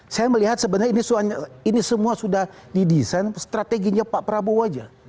saya melihat sebenarnya ini semua sudah didesain strateginya pak prabowo aja